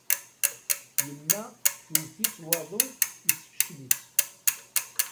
Yemma iwet-itt waḍu, yessefcel-itt.